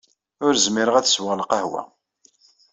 Ur zmireɣ ad sweɣ lqahwa.